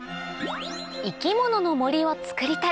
生き物の森を作りたい！